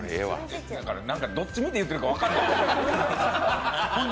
だから、どっち見ていってるか分からない。